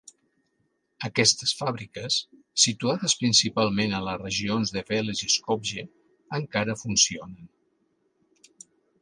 Aquestes fàbriques, situades principalment a les regions de Veles i Skopje, encara funcionen.